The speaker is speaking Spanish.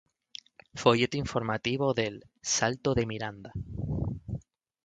Folleto informativo del "Salto de Miranda".